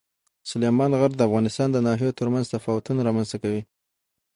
سلیمان غر د افغانستان د ناحیو ترمنځ تفاوتونه رامنځته کوي.